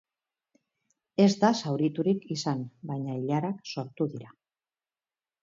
Ez da zauriturik izan, baina ilarak sortu dira.